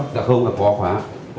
giật bằng hai tay